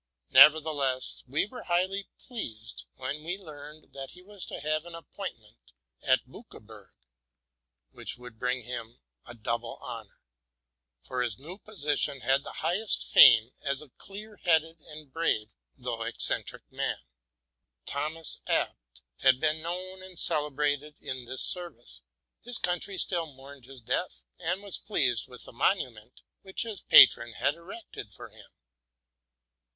Nevertheless, we were highly pleased when we learned that he was to have an appointment at Buckeburg, which would bring him double honor ; for his new patron had the highest fame aS a clear headed and brave, though eccentric, man. 108 TRUTH AND FICTION Thomas Abbt had been known and celebrated in this ser vice: his country still mourned his death, and was pleased with the monument which his patron had erected for him.